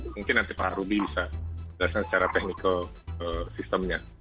mungkin nanti pak ruby bisa jelasin secara teknik ke sistemnya